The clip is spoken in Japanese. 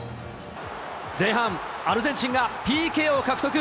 前半、アルゼンチンがＰＫを獲得。